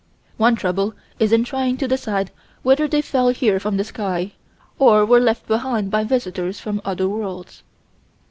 One trouble is in trying to decide whether they fell here from the sky, or were left behind by visitors from other worlds.